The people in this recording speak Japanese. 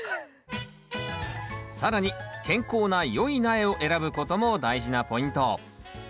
更に健康なよい苗を選ぶことも大事なポイント。